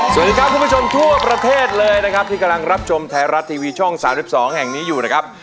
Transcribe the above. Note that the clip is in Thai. สวัสดีครับคุณผู้ชมทั่วประเทศเลยนะครับที่กำลังรับชมไทยรัฐทีวีช่อง๓๒แห่งนี้อยู่นะครับ